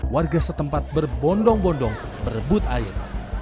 warga setempat berbondong bondong berebut air